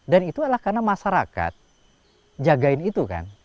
dan itu adalah karena masyarakat jagain itu kan